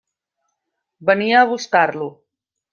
Venia a buscar-lo.